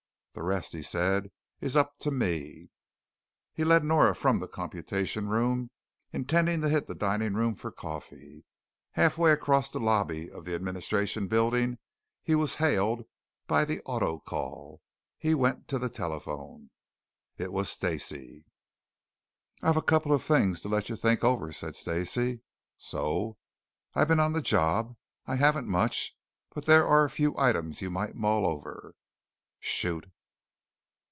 "The rest," he said, "is up to me." He led Nora from the computation room, intending to hit the dining room for coffee. Half way across the lobby of the administration building he was hailed by the autocall. He went to the telephone. It was Stacey. "I've a couple of things to let you think over," said Stacey. "So?" "I've been on the job. I haven't much, but there are a few items you might mull over." "Shoot."